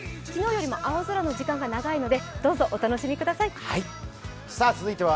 昨日よりも青空の時間が長いのでどうぞお楽しみください。